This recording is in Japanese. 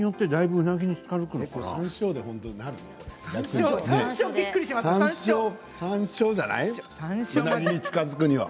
うなぎに近づくには。